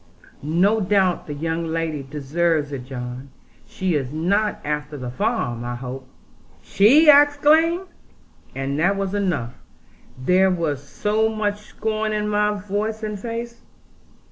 No doubt the young lady deserves it, John. She is not after the farm, I hope?' 'She!' I exclaimed; and that was enough, there was so much scorn in my voice and face.